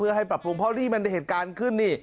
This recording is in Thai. ก็ให้ปรับภูมิเพราะมันได้เหตุการณ์ขึ้นนี่